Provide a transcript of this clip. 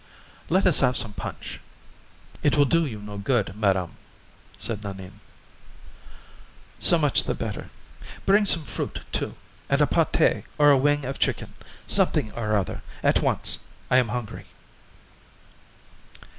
"Let us have some punch." "It will do you no good, madame," said Nanine. "So much the better. Bring some fruit, too, and a paté or a wing of chicken; something or other, at once. I am hungry."